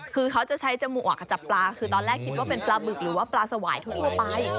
คือเขาจะใช้จมูกจับปลาคือตอนแรกคิดว่าเป็นปลาหมึกหรือว่าปลาสวายทั่วไป